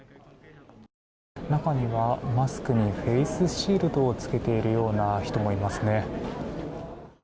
中にはマスクにフェースシールドを着けているような人もいますね。